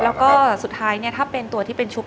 แล้วก็สุดท้ายเนี่ยถ้าเป็นตัวที่เป็นชุบ